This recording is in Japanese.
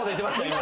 今。